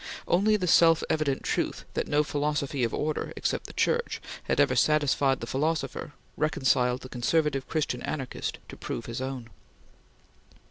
Only the self evident truth that no philosophy of order except the Church had ever satisfied the philosopher reconciled the conservative Christian anarchist to prove his own.